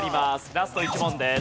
ラスト１問です。